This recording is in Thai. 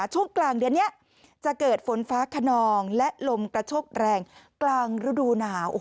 ช่วงกลางเดือนนี้จะเกิดฝนฟ้าขนองและลมกระโชกแรงกลางฤดูหนาว